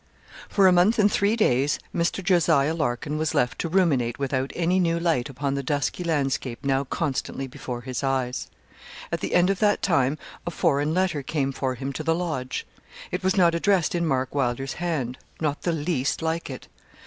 For a month and three days Mr. Jos. Larkin was left to ruminate without any new light upon the dusky landscape now constantly before his eyes. At the end of that time a foreign letter came for him to the Lodge. It was not addressed in Mark Wylder's hand not the least like it.